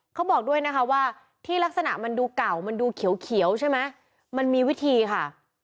เขาบอกด้วยนะคะว่าที่ลักษณะมันดูเก่ามันดูเขียวใช่ไหมมันมีวิธีค่ะ